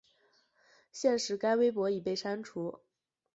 现时该微博已被删除。